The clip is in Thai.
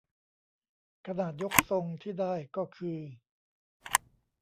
ขนาดยกทรงที่ได้ก็คือ